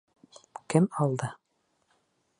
Кем алды?